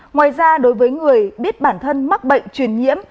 ngoài ra đối với người biết bản thân mắc bệnh truyền nhiễm